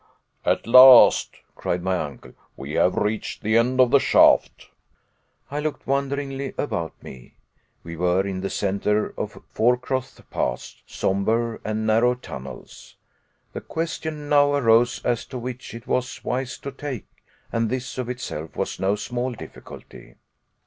"At last," cried my uncle, "we have reached the end of the shaft." I looked wonderingly about me. We were in the centre of four cross paths somber and narrow tunnels. The question now arose as to which it was wise to take; and this of itself was no small difficulty.